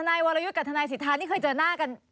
นายวรยุทธ์กับทนายสิทธานี่เคยเจอหน้ากัน